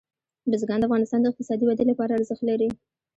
بزګان د افغانستان د اقتصادي ودې لپاره ارزښت لري.